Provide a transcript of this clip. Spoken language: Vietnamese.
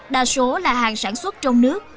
đa số là hàng sản xuất trong nước